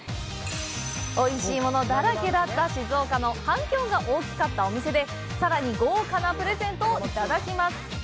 おいしいものだらけだった静岡の反響が大きかったお店でさらに豪華なプレゼントをいただきます！